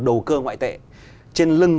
đầu cơ ngoại tệ trên lưng